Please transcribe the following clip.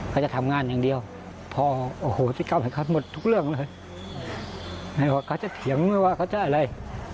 ก็จะเถียงดูว่าแบบนั้นว่าจะอะไร